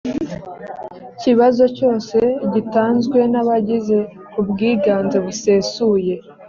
kibazo cyose gitanzwe n abagize ubwiganze busesuye